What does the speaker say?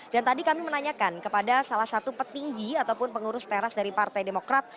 dan tadi kami menanyakan kepada salah satu petinggi ataupun pengurus teras dari partai demokrat